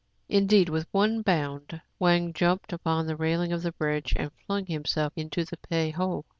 Indeed, with one bound, Wang jumped upon the railing of the bridge, and flung himself into the Pei ho.